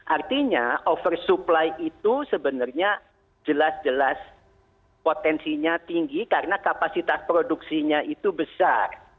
artinya oversupply itu sebenarnya jelas jelas potensinya tinggi karena kapasitas produksinya itu besar